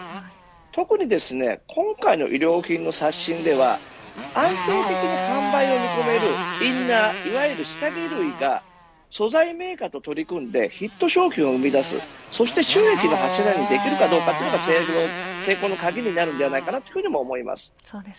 特に今回の衣料品の刷新では安定的に販売を見込めるインナー、いわゆる下着類が素材メーカーと取り組んでヒット商品を生み出すそして収益の柱にできるかどうかというのが成功の鍵になると思います。